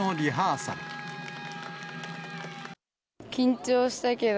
緊張したけど、